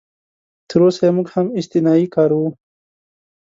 تراوسه یې موږ هم استثنایي کاروو.